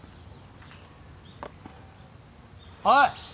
おい！